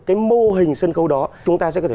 cái mô hình sân khấu đó chúng ta sẽ có thể